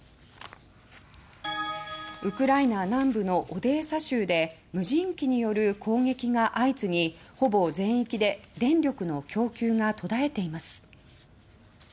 ウクライナ南部のオデーサ州で無人機による攻撃が相次ぎほぼ全域で電力の供給が途絶えています。